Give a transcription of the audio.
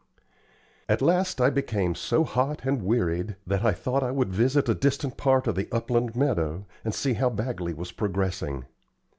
At last I became so hot and wearied that I thought I would visit a distant part of the upland meadow, and see how Bagley was progressing.